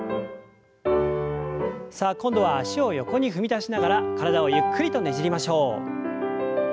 さあ今度は脚を横に踏み出しながら体をゆっくりとねじりましょう。